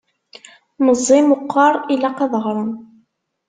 Meẓẓi meqqer, ilaq ad ɣren!